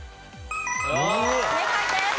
正解です。